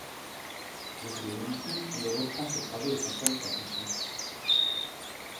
Dès sa démobilisation, il reprend ses travaux et s'installe à Clichy.